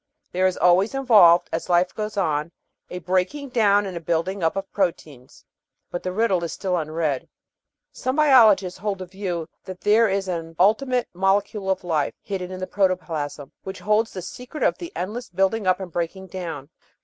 There is always involved, as life goes on, a break ing down and a building up of proteins. But the riddle is still unread. Some biologists hold the view that there is an "ultimate mole cule of life," hidden in the protoplasm, which holds the secret of the endless building up and breaking down.